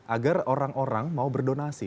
agar orang orang mau berdonasi